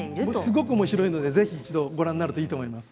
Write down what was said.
すごくおもしろいのでぜひ一度ご覧になるといいと思います。